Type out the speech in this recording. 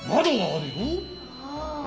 ああ。